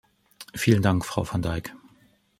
Vielen Dank, Frau van Dijk.